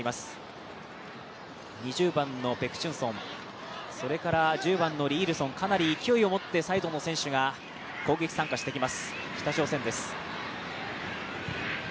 ２０番のペク・チュンソン、１０番のリ・イルソン、かなり勢いをもって、サイドの選手が攻撃参加してきます、北朝鮮です。